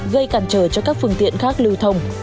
gây cản trở cho các phương tiện khác lưu thông